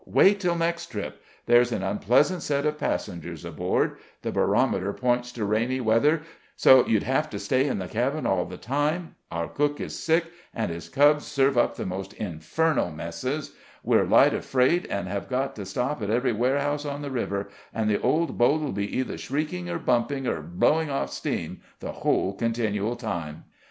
Wait till next trip. There's an unpleasant set of passengers aboard; the barometer points to rainy weather, so you'd have to stay in the cabin all the time; our cook is sick, and his cubs serve up the most infernal messes; we're light of freight, and have got to stop at every warehouse on the river, and the old boat'll be either shrieking, or bumping, or blowing off steam the whole continual time."